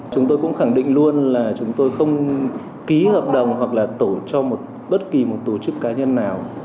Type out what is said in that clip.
chúng tôi cũng khẳng định luôn là chúng tôi không ký hợp đồng hoặc là tổ cho một bất kỳ một tổ chức cá nhân nào